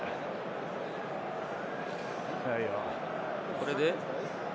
これで？